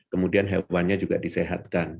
kemudian hewannya juga disehatkan